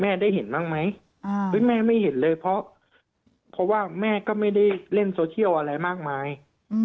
แม่ได้เห็นบ้างไหมอ่าเฮ้ยแม่ไม่เห็นเลยเพราะเพราะว่าแม่ก็ไม่ได้เล่นโซเชียลอะไรมากมายอืม